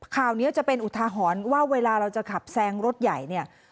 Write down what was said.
ข่าวนี้จะเป็นอุทาหรณ์ว่าเวลาเราจะขับแซงรถใหญ่เนี่ย